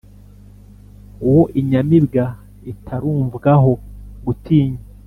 Uwo inyamibwa itarumvwaho gutinya,